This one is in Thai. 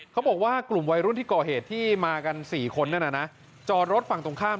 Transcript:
เขาบอกว่ากลุ่มวัยรุ่นที่ก่อเหตุที่มากัน๔คนนั่นน่ะนะจอดรถฝั่งตรงข้าม